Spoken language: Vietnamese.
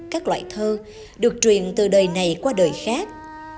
các loại thơ được truyền từ đời này qua đời khác